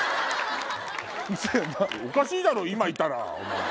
おかしいだろ今いたら。